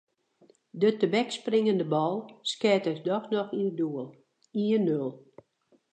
De tebekspringende bal skeat ik dochs noch yn it doel: ien-nul.